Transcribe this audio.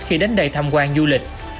khi đến đây tham quan du lịch